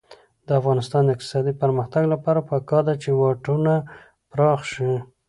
د افغانستان د اقتصادي پرمختګ لپاره پکار ده چې واټونه پراخ شي.